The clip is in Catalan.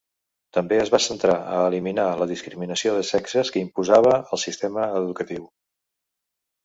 També es va centrar a eliminar la discriminació de sexes que imposava el sistema educatiu.